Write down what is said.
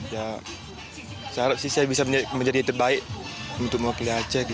ya saya harap sih saya bisa menjadi terbaik untuk mewakili aceh